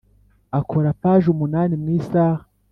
Akora paji umunani mw’isaha